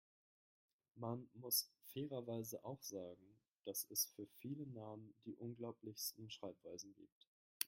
Man muss fairerweise auch sagen, dass es für viele Namen die unglaublichsten Schreibweisen gibt.